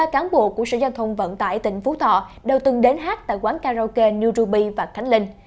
ba cán bộ của sở giao thông vận tải tỉnh phú thọ đều từng đến hát tại quán karaoke new ruby và khánh linh